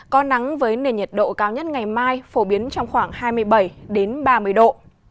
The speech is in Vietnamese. có nắng với nền nhiệt độ cao nhất ngày mai phổ biến trong khoảng hai mươi bảy ba mươi độ